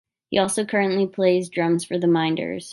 He also currently plays drums for The Minders.